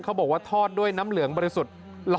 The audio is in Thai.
เขาบอกว่าทอดด้วยน้ำเหลืองบริสุทธิ์๑๐๐